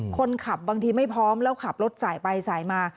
บางทีไม่พร้อมแล้วขับรถสายไปสายมา